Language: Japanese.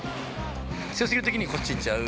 強すぎる時にこっち行っちゃう。